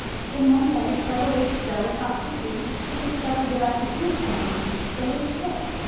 Then one day several weeks ago without thinking I discovered that I could use my arm the least bit.